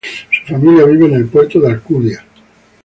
Su familia vive en el Puerto de Alcudia.